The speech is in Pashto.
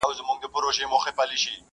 پر سر وا مي ړوه یو مي سه تر سونډو.